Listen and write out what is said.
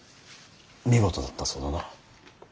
見事だったそうだな。